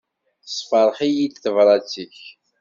Tessefṛeḥ-iyi-d tebrat-ik.